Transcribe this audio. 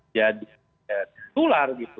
jadi tular gitu